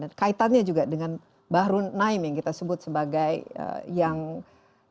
dan kaitannya juga dengan bahru naim yang kita sebut sebagai yang istilahnya